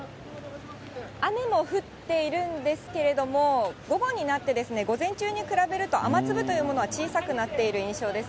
雨も降っているんですけれども、午後になって、午前中に比べると、雨粒というものは小さくなっている印象です。